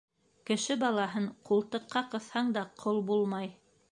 Кеше балаһын ҡултыҡҡа ҡыҫһаң да ҡол булмай.